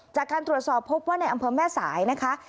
จากการตรวจสอบพบว่าในอำเภอแม่สายนะคะ